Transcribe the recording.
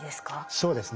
そうですね。